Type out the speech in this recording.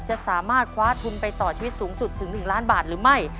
จะสามารถคว้าทุนไปต่อชีวิตสูงสุดถึง๑ล้านบาทหรือไม่